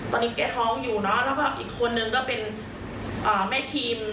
ตอนนี้แกท้องอยู่เนอะแล้วก็อีกคนนึงก็เป็นแม่ทีม